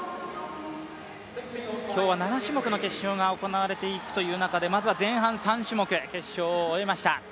今日は７種目の決勝が行われていくという中でまずは前半３種目、決勝を終えました。